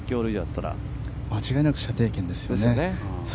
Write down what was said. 間違いなく射程圏ですね。